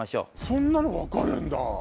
そんなの分かるんだ！